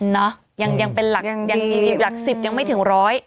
เนอะยังเป็นหลัก๑๐ยังไม่ถึง๑๐๐